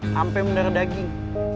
sampe mundar daging